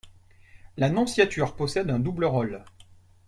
La nonciature possède un double rôle.